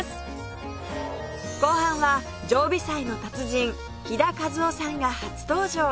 後半は常備菜の達人飛田和緒さんが初登場！